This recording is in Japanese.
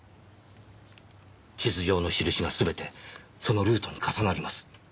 地図上の印が全てそのルートに重なります。